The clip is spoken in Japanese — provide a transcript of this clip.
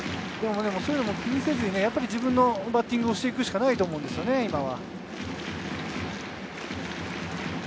そういうのも気にせずに自分のバッティングをしていくしかないと思うんですよね、今は。